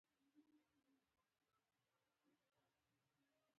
دا اوازې باید د تېرو وختونو ساده کیسه وبولو.